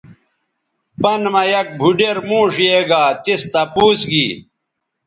پَن مہ یک بُھوڈیر موݜ یے گا تِس تپوس گی